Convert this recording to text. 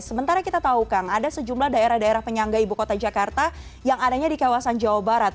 sementara kita tahu kang ada sejumlah daerah daerah penyangga ibu kota jakarta yang adanya di kawasan jawa barat